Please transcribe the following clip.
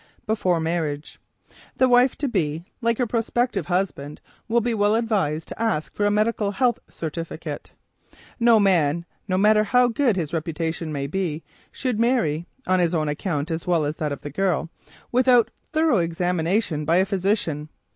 BEFORE MARRIAGE The wife to be, like her prospective husband, will be well advised to ask for a medical health certificate. No man, no matter how good his reputation may be, should marry (on his own account as well as that of the girl) without thorough examination by a physician.